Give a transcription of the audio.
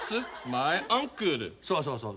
そうそうそう。